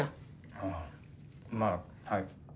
ああまあはい。